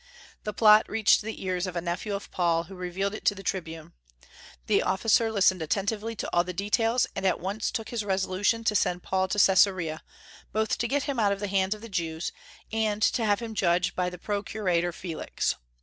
The plot reached the ears of a nephew of Paul, who revealed it to the tribune. The officer listened attentively to all the details, and at once took his resolution to send Paul to Caesarea, both to get him out of the hands of the Jews, and to have him judged by the procurator Felix.